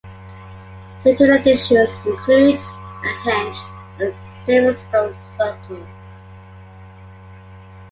Later additions include a henge and several stone circles.